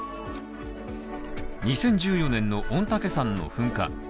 ２０１４年の御嶽山の噴火。